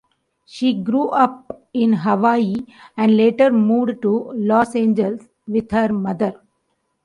She grew up in Hawaii and later moved to Los Angeles with her mother.